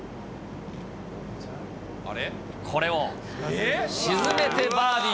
これを沈めてバーディー。